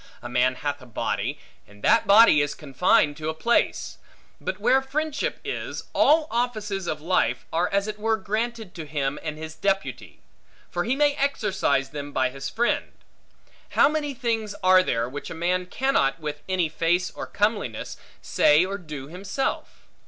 A man hath a body, and that body is confined to a place; but where friendship is, all offices of life are as it were granted to him, and his deputy. For he may exercise them by his friend. How many things are there which a man cannot, with any face or comeliness, say or do himself?